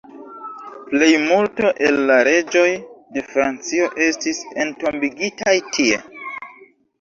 Plejmulto el la reĝoj de Francio estis entombigitaj tie.